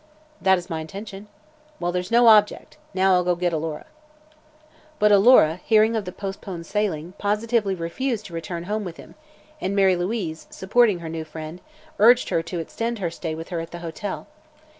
"That is my intention." "Well, there's no objection. Now I'll go get Alora." But Alora, hearing of the postponed sailing, positively refused to return home with him, and Mary Louise, supporting her new friend, urged her to extend her stay with her at the hotel.